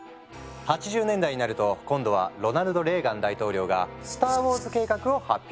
８０年代になると今度はロナルド・レーガン大統領が「スターウォーズ計画」を発表。